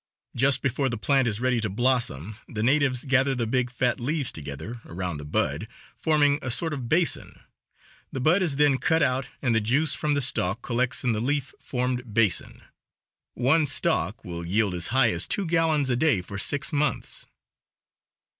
Just before the plant is ready to blossom the natives gather the big fat leaves together, around the bud, forming a sort of basin. The bud is then cut out and the juice from the stalk collects in the leaf formed basin. One stalk will yield as high as two gallons a day for six months.